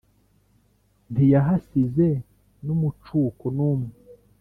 ntiyahasize nu mucuko numwe